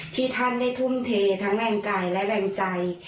ที่ท่านได้ทุ่มเททั้งแรงกายและแรงใจ